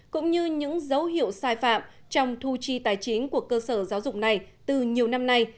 cũng như những dấu hiệu sai phạm trong thu chi tài chính của cơ sở giáo dục này từ nhiều năm nay